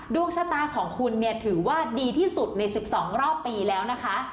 ดวงชะตาของคุณเนี่ยถือว่าดีที่สุดใน๑๒รอบปีแล้วนะคะ